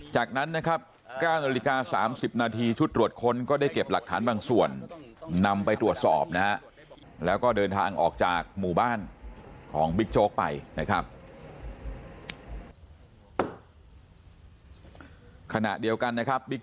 จากนั้นนะครับก้านนาฬิกา๓๐นาทีชุดรวดค้นก็ได้เก็บหลักฐานบางส่วน